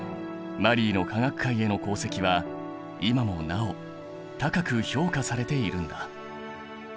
マリーの科学界への功績は今もなお高く評価されているんだ。